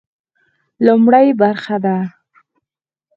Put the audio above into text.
لومړۍ برخه ده.